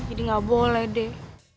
jadi gak boleh deh